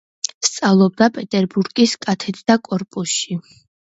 სწავლობდა პეტერბურგის კადეტთა კორპუსში.